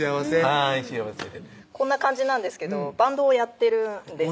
はい幸せこんな感じなんですけどバンドをやってるんですよ